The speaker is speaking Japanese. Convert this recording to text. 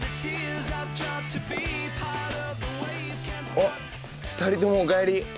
おっ２人ともおかえり。